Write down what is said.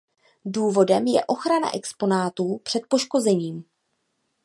Důvodem je ochrana exponátů před poškozením.